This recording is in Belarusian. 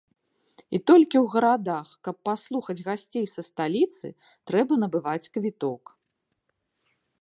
І толькі у гарадах, каб паслухаць гасцей са сталіцы, трэба набываць квіток.